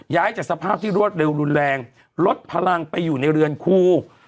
ย้ายจากสภาพที่รวดเร็วรุนแรงลดพลังไปอยู่ในเรือนครู